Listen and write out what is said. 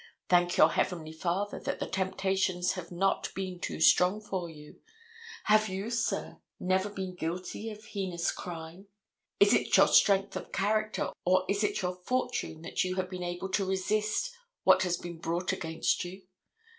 Thank your Heavenly Father that the temptations have not been too strong for you. Have you, sir, never been guilty of heinous crime? Is it your strength of character or is it your fortune that you have been able to resist what has been brought against you?